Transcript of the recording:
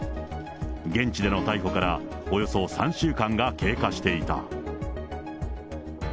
現地での逮捕からおよそ３週間が経過していた。